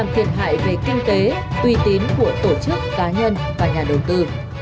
kinh tế uy tín của tổ chức cá nhân và nhà đầu tư